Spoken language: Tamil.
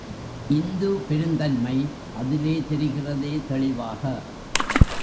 இந்து பெருந்தன்மை அதிலே தெரிகிறதே தெளிவாக!